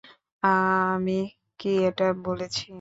আ-আমি কি এটা বলেছি?